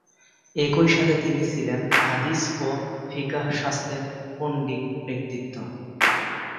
একই সাথে তিনি ছিলেন হাদিস ও ফিকহ শাস্ত্রের পণ্ডিত ব্যক্তিত্ব।